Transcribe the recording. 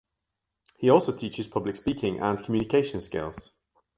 He also teaches public speaking and communication skills.